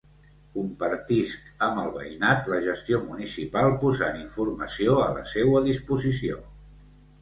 Compartisc amb el veïnat la gestió municipal posant informació a la seua disposició.